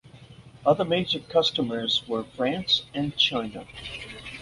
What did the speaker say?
Other major customers were France and China.